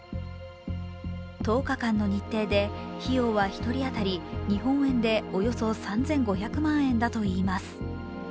１０日間の日程で、費用は１人当たり日本円でおよそ３５００万円だといいます。